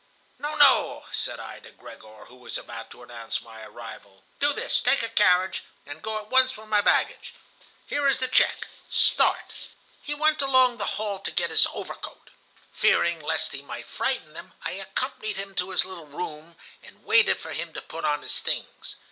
"'No, no,' said I to Gregor, who was about to announce my arrival. 'Do this, take a carriage, and go at once for my baggage. Here is the check. Start.' "He went along the hall to get his overcoat. Fearing lest he might frighten them, I accompanied him to his little room, and waited for him to put on his things.